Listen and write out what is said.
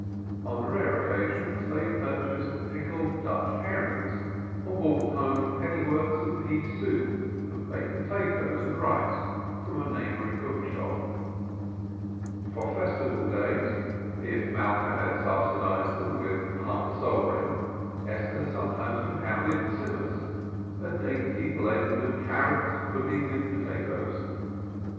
On rare occasions they purchased pickled Dutch herrings or brought home pennyworths of pea soup or of baked potatoes and rice from a neighboring cook shop. For Festival days, if Malka had subsidized them with a half sovereign, Esther sometimes compounded Tzimmus, a dainty blend of carrots, pudding and potatoes.